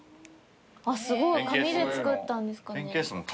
すごい紙で作ったんですかね？